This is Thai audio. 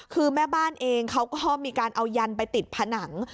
คือแม่บ้านเองเขาก็มีการเอายันไปติดผนัง